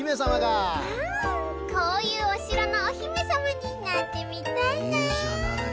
うんこういうおしろのおひめさまになってみたいな。